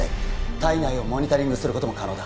体内をモニタリングすることも可能だ